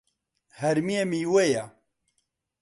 هەرمێ میوەیە.